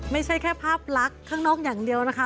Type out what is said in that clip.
ไม่ใช่แค่ภาพลักษณ์ข้างนอกอย่างเดียวนะคะ